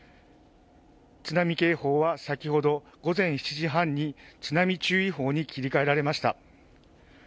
津波警報は先ほど午前７時半に津波注意報に切り替えられました。